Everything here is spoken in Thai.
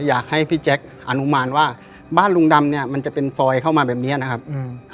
อยากให้พี่แจ๊คอนุมานว่าบ้านลุงดำเนี้ยมันจะเป็นซอยเข้ามาแบบเนี้ยนะครับอืม